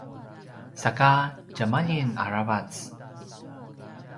saka djemalim aravac